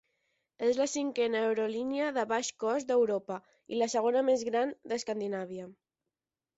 És la cinquena aerolínia de baix cost d'Europa i la segona més gran d'Escandinàvia.